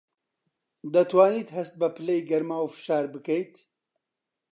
دەتوانیت هەست بە پلەی گەرما و فشار بکەیت؟